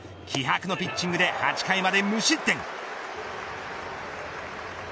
気迫のピッチングで８回まで無失点。